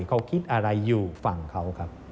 เขาคิดอะไรอยู่ฝั่งเขาครับ